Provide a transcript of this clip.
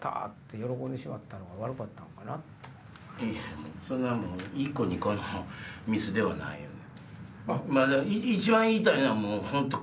そんな１個２個のミスではないよね。